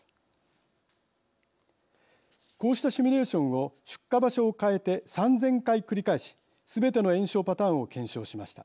こうしたシミュレーションを出火場所を変えて３，０００回繰り返しすべての延焼パターンを検証しました。